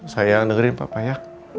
sayang dengerin papa ya